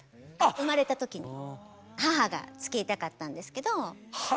生まれた時に母が付けたかったんですけどそうなんです。